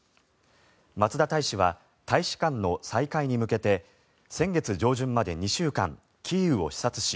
松田大使は大使館の再開に向けて先月上旬まで２週間キーウを視察し